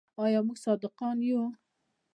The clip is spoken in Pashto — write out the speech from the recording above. آیا موږ صادقان یو؟